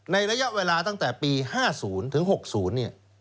ระยะเวลาตั้งแต่ปี๕๐ถึง๖๐เนี่ย